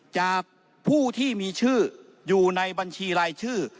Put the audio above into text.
จากผู้ที่มีชื่ออยู่ในบัญชีรายชื่อ